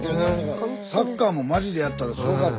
サッカーもまじでやったらすごかった。